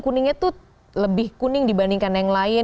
kuningnya tuh lebih kuning dibandingkan yang lain